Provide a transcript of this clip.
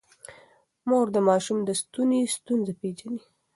مور د ماشوم د ستوني ستونزه پېژني.